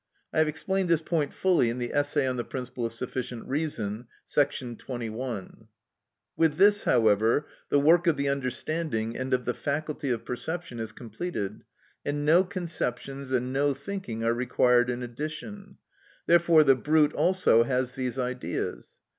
I have explained this point fully in the essay on the principle of sufficient reason, § 21. With this, however, the work of the understanding and of the faculty of perception is completed, and no conceptions and no thinking are required in addition; therefore the brute also has these ideas.